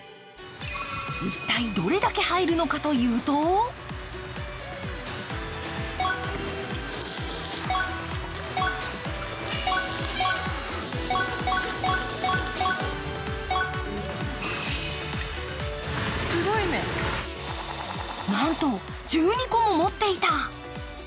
一体どれだけ入るのかというとなんと１２個も持っていた。